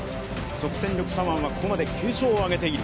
即戦力左腕はここまで９勝を挙げている。